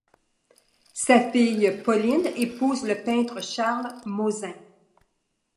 Sa fille Pauline épouse le peintre Charles Mozin.